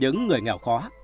những người nghèo khó